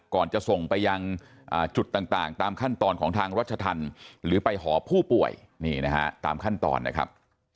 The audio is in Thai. ก่อนจะส่งไปยังจุดต่างตามขั้นตอนของทางรัชทันหรือไปหอผู้ป่วยตามขั้นตอนนะครับ